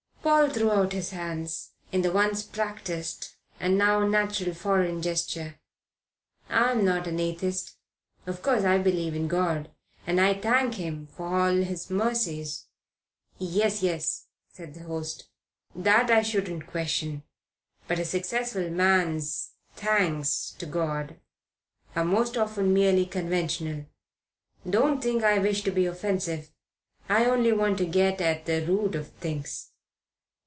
Paul threw out his hands, in the once practised and now natural foreign gesture. "I'm not an atheist. Of course I believe in God, and I thank Him for all His mercies " "Yes, yes," said his host. "That I shouldn't question. But a successful man's thanks to God are most often merely conventional. Don't think I wish to be offensive. I only want to get at the root of things.